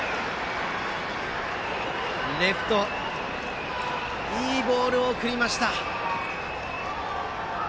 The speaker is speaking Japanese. レフト、いいボールを送りました。